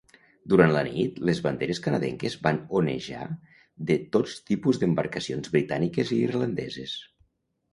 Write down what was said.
Durant la nit, les banderes canadenques van onejar de tots tipus d'embarcacions britàniques i irlandeses.